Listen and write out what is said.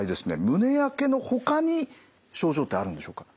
胸やけのほかに症状ってあるんでしょうか？